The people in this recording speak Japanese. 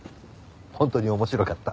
本当に面白かった。